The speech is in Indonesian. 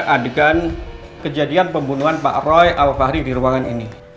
adegan kejadian pembunuhan pak roy al fahri di ruangan ini